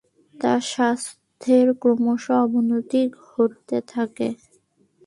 তার স্বাস্থ্যের ক্রমশঃ অবনতি ঘটতে থাকে।